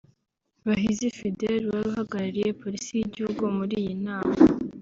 Bahizi Fidèle wari uhagarariye Polisi y’Igihugu muri iyi nama